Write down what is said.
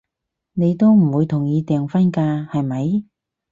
你都唔會同意訂婚㗎，係咪？